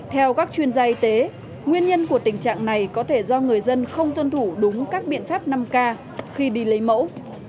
theo các chuyên gia y tế nguyên nhân của tình trạng này có thể do người dân không tuân thủ đúng các biện pháp năm k khi đi lấy mẫu